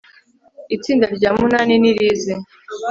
istinda rya munani nirize